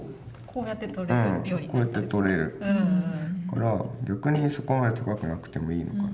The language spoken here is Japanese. うんこうやって取れるから逆にそこまで高くなくてもいいのかな。